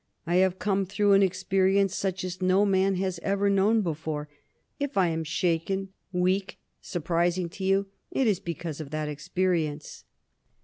I have come through an experience such as no man has ever known before. If I am shaken, weak, surprising to you, it is because of that experience."